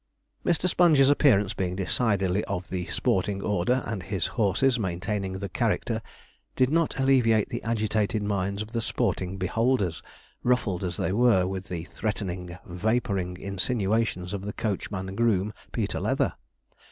Mr. Sponge's appearance being decidedly of the sporting order, and his horses maintaining the character, did not alleviate the agitated minds of the sporting beholders, ruffled as they were with the threatening, vapouring insinuations of the coachman groom, Peter Leather.